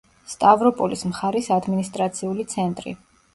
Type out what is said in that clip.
სტავროპოლის მხარის ადმინისტრაციული ცენტრი.